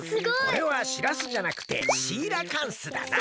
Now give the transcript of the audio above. これはしらすじゃなくてシーラカンスだな。